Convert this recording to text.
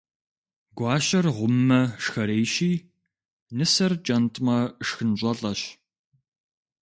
Гуащэр гъуммэ, шхэрейщи, нысэр кӀэнтӀмэ, шхын щӀэлӀэщ.